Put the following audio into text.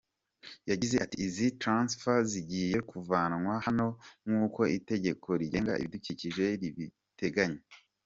Yagize ati “ Izi transfo zigiye kuvanwa hano nk’uko itegeko rigenga ibidukikije ribiteganya.